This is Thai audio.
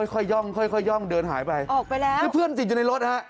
ค่อยย่องเดินหายไปเพื่อนติดอยู่ในรถ